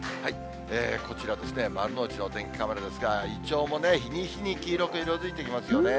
こちら丸の内のお天気カメラですが、イチョウも日に日に黄色く色づいてきますよね。